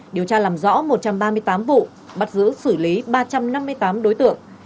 điều tra làm rõ một trăm ba mươi tám vụ bắt giữ xử lý ba trăm năm mươi tám đối tượng